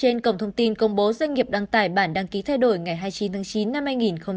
trên cổng thông tin công bố doanh nghiệp đăng tải bản đăng ký thay đổi ngày hai mươi chín tháng chín năm hai nghìn một mươi chín